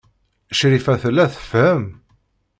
Crifa tella tfehhem.